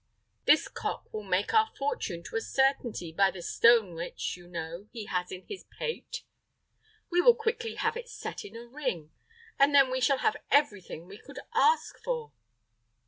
This cock will make our fortune to a certainty by the stone which, you know, he has in his pate. We will quickly have it set in a ring, and then we shall have everything we could ask for."